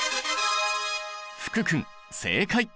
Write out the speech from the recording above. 福君正解！